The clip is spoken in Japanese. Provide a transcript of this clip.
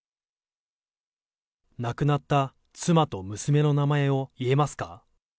亡くなった妻と娘の名前を言えますか？